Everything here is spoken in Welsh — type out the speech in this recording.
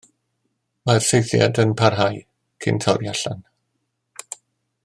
Mae'r saethiad yn parhau, cyn torri allan.